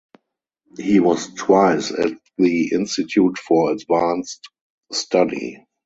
He was twice at the Institute for Advanced Study.